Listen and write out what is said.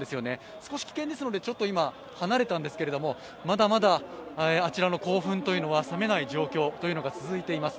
少し危険ですので、今、離れたんですけど、まだまだあちらの興奮は冷めない状況が続いています。